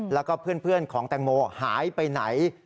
แล้วก็เพื่อนของแตงโมหายไปไหน